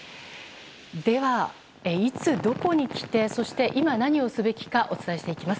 では、いつどこに来てそして今、何をすべきかお伝えしていきます。